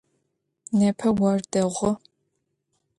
Nêpe vor değu.